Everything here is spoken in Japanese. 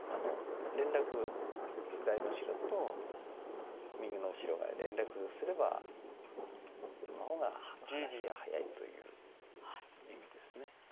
連絡左の白と右の白が連絡すればその方が話が早いという意味です。